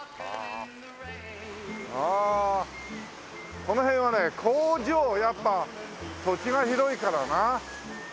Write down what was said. ああこの辺はね工場やっぱり土地が広いからな。